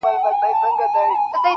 • ادبي مجلسونه دا کيسه يادوي تل..